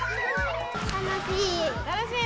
楽しい。